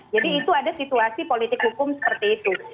jadi itu ada situasi politik hukum seperti itu